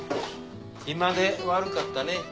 暇で悪かったね。